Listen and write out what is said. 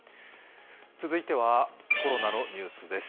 続いては、コロナのニュースです。